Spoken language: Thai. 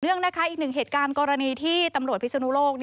อีกหนึ่งเหตุกรณีที่ตำรวจพิศนุโลก